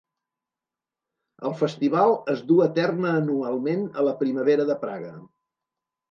El festival es du a terme anualment a la primavera a Praga.